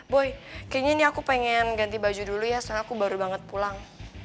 boy kayaknya ini aku pengen ganti baju dulu ya soalnya aku baru banget pulang